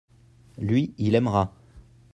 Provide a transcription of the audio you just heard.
lui, il aimera.